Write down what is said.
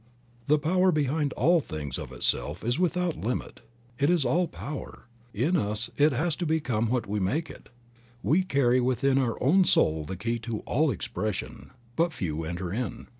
The power behind all things of itself is without limit; it is all power ; in us it has to become what we make it. We carry within our own soul the key to all expression, but few enter in.